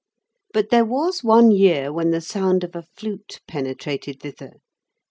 But there was one year when the sound of a flute penetrated thither.